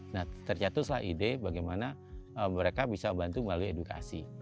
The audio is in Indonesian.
nah tercatuslah ide bagaimana mereka bisa bantu melalui edukasi